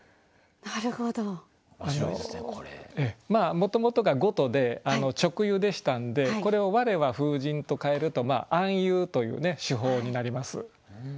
もともとが「ごと」で直喩でしたんでこれを「われは風神」と変えると暗喩という手法になります。